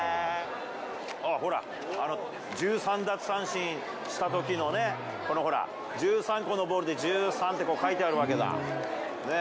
あっ、ほら、１３奪三振したときのね、この、ほら、１３個のボールで、１３ってこう、書いてあるわけだ。ね。